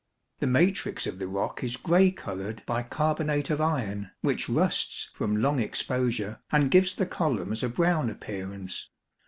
The matrix of the rock is grey coloured by carbonate of iron, which rusts from long exposure and gives the columns a brown appearance.